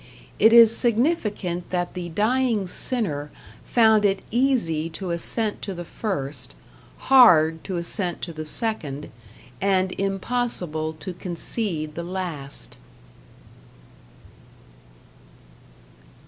It is significant that the dying sinner found it easy to assent to the first, hard to assent to the second, and impossible to concede the last.